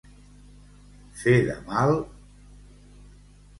Fer de mal...